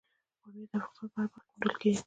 پامیر د افغانستان په هره برخه کې موندل کېږي.